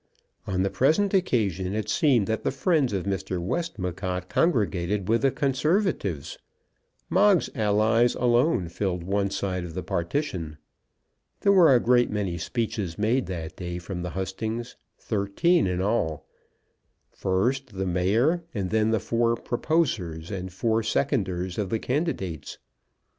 On the present occasion it seemed that the friends of Mr. Westmacott congregated with the Conservatives. Moggs's allies alone filled one side of the partition. There were a great many speeches made that day from the hustings, thirteen in all. First the mayor, and then the four proposers and four seconders of the candidates.